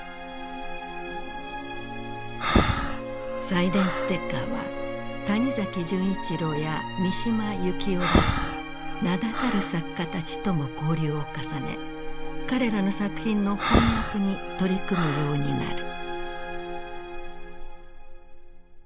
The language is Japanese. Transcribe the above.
サイデンステッカーは谷崎潤一郎や三島由紀夫ら名だたる作家たちとも交流を重ね彼らの作品の翻訳に取り組むようになる。